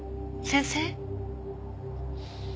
先生？